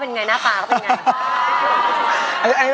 เพื่อนว่ามันลูกดีเนี่ย